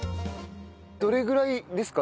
どれぐらいですか？